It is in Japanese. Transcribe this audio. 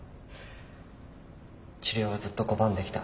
治療はずっと拒んできた。